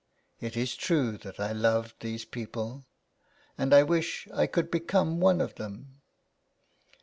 " It is true that I love these people, and I wish I could become one of them."